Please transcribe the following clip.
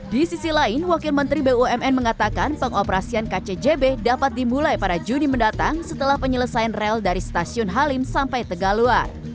di sisi lain wakil menteri bumn mengatakan pengoperasian kcjb dapat dimulai pada juni mendatang setelah penyelesaian rel dari stasiun halim sampai tegaluar